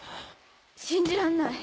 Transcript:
信じらんない。